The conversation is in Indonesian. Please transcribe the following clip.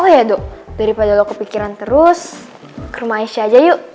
oh iya dok daripada lo kepikiran terus ke rumah aisyah aja yuk